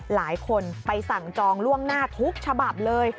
หลายคนไปสั่งจองล่วงหน้าทุกฉบับเลย